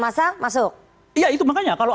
massa masuk iya itu makanya kalau